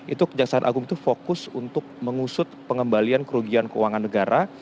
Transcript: itu kejaksaan agung itu fokus untuk mengusut pengembalian kerugian keuangan negara